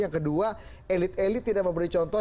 yang kedua elit elit tidak memberi contoh